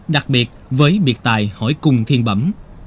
đặc biệt với biệt tài hỏi cung thiên bẩm